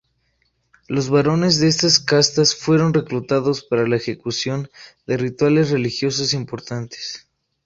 Los varones de estas castas fueron reclutados para la ejecución de rituales religiosos importantes.